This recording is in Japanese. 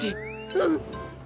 うん！